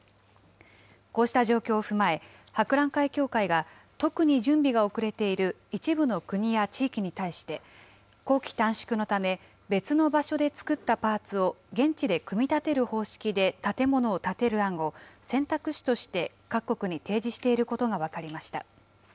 こうした状況を踏まえ、博覧会協会が、特に準備が遅れている一部の国や地域に対して、工期短縮のため、別の場所で作ったパーツを現地で組み立てる方式で建物を建てる案を選択肢として各国に提示していることが分かりました。